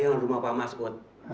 di rumah pak mas pak